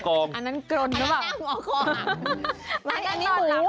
โค่หักโค่พับ